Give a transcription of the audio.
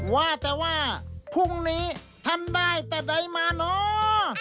ว่าแต่ว่าพรุ่งนี้ทำได้แต่ใดมาเนอะ